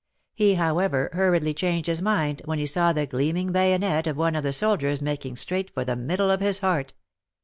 He, however, hurriedly changed his mind when he saw the gleaming bayonet of one of the soldiers making straight for the middle of his heart.